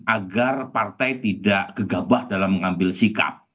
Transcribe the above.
agar partai tidak gegabah dalam mengambil sikap